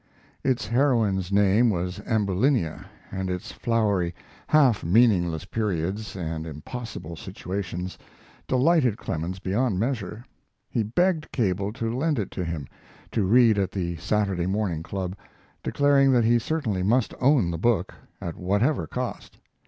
Its heroine's name was Ambulinia, and its flowery, half meaningless periods and impossible situations delighted Clemens beyond measure. He begged Cable to lend it to him, to read at the Saturday Morning Club, declaring that he certainly must own the book, at whatever cost.